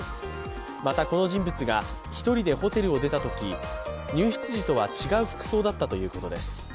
また、この人物が１人でホテルを出たとき、入室時とは違う服装だったということです。